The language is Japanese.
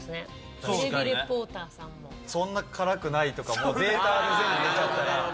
そんな辛くないとかもデータで全部出ちゃったら。